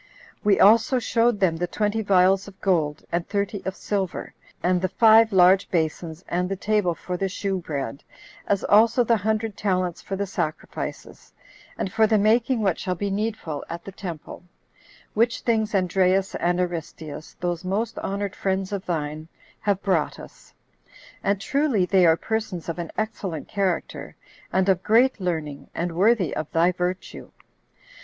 We also showed them the twenty vials of gold, and thirty of silver, and the five large basons, and the table for the shew bread; as also the hundred talents for the sacrifices, and for the making what shall be needful at the temple; which things Andreas and Aristeus, those most honored friends of thine, have brought us; and truly they are persons of an excellent character, and of great learning, and worthy of thy virtue.